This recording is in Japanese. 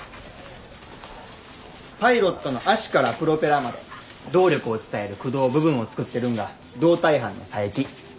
パイロットの脚からプロペラまで動力を伝える駆動部分を作ってるんが胴体班の佐伯。